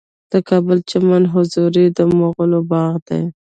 د کابل چمن حضوري د مغلو باغ دی